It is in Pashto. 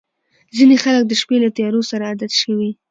• ځینې خلک د شپې له تیارو سره عادت شوي.